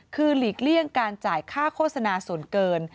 คือหลีกเลี่ยงการจ่ายค่าโฆษณาส่วนเกิน